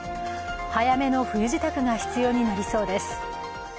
早めの冬支度が必要になりそうです。